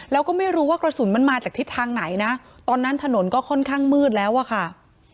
แล้วก็ไม่รู้ว่ากระสุนมันมาจากทิศทางไหนนะตอนนั้นถนนก็ค่อนข้างมืดแล้วอะค่ะ